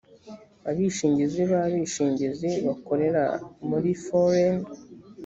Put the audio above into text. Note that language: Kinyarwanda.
abishingizi b abishingizi bakorera mu foreign